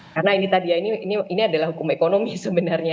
karena ini tadi ya ini adalah hukum ekonomi sebenarnya